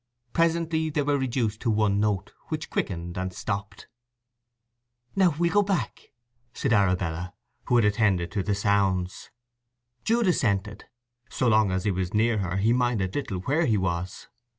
Presently they were reduced to one note, which quickened, and stopped. "Now we'll go back," said Arabella, who had attended to the sounds. Jude assented. So long as he was near her he minded little where he was.